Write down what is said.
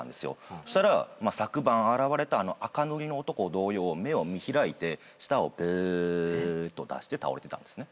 そしたら昨晩現れた赤塗りの男同様目を見開いて舌を「ベーッ」と出して倒れてたんですね。